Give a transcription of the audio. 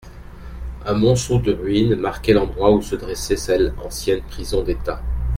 Un monceau de ruines marquait l'endroit où se dressait celle ancienne prison d'état.